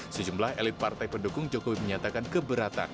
sejumlah elit partai pendukung jokowi menyatakan keberatan